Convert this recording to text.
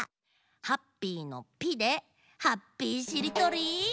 「ハッピー」の「ピ」でハッピーしりとりスタート！